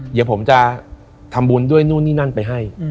เดี๋ยวผมจะทำบุญด้วยนู่นนี่นั่นไปให้